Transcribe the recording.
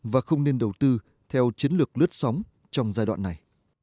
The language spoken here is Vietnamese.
và không nên đầu tư theo chiến lược lướt sóng trong giai đoạn này